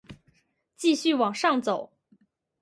继续往上走